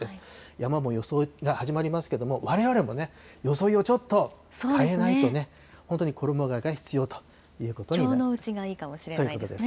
山も装いが始まりますけども、われわれもね、装いをちょっと変えないとね、本当に衣がえが必要ということになります。